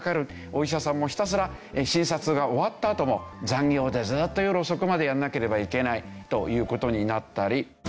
お医者さんもひたすら診察が終わったあとも残業でずっと夜遅くまでやらなければいけないという事になったり。